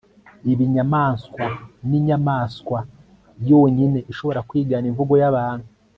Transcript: ibinyamanswa ninyamaswa yonyine ishobora kwigana imvugo yabantu